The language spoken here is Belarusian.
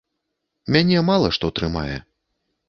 Мяне мала што трымае.